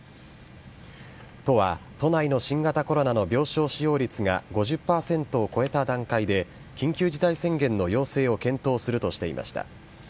都は都内の新型コロナの病床使用率が５０％を超えた段階で、緊急事態宣言の要請を検討するとしていました。